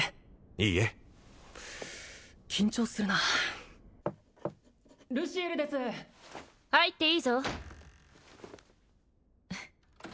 いいえ緊張するなルシエルです入っていいぞ